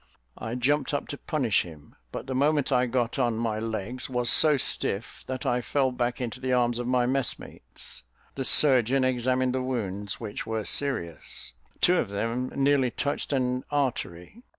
I jumped up to punish him, but the moment I got on my legs was so stiff, that I fell back into the arms of my messmates. The surgeon examined the wounds, which were serious; two of them nearly touched an artery.